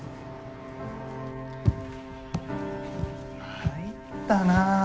参ったな。